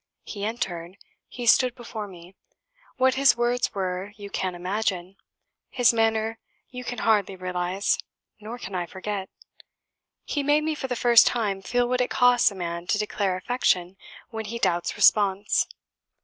He entered. He stood before me. What his words were you can imagine; his manner you can hardly realise, nor can I forget it. He made me, for the first time, feel what it costs a man to declare affection when he doubts response.